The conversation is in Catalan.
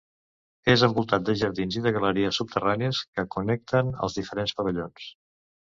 És envoltat de jardins i de galeries subterrànies que connecten els diferents pavellons.